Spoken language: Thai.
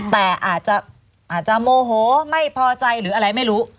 แต่อาจจะโมโหไม่พอใจหรืออะไรไม่รู้